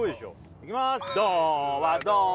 いきまーす